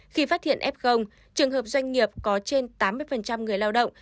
khi phát hiện f trường hợp doanh nghiệp có trên tám mươi người lao động